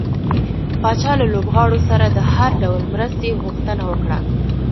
پاچا له لوبغاړو سره د هر ډول مرستې غوښتنه وکړه .